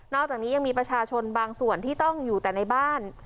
อกจากนี้ยังมีประชาชนบางส่วนที่ต้องอยู่แต่ในบ้าน